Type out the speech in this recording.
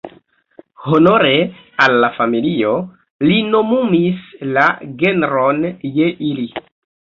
Honore al la familio, li nomumis la genron je ili.